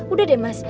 udah deh mas